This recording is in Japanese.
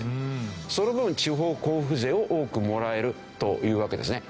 その分地方交付税を多くもらえるというわけですね。